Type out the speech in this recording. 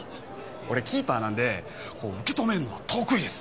俺キーパーなんで受け止めんのは得意です！